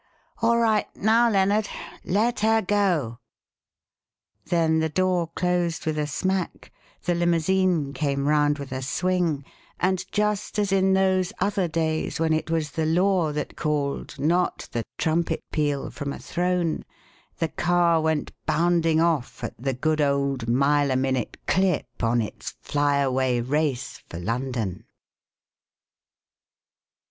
All right now, Lennard. Let her go!" Then the door closed with a smack, the limousine came round with a swing, and, just as in those other days when it was the Law that called, not the trumpet peal from a throne, the car went bounding off at the good old mile a minute clip on its fly away race for London.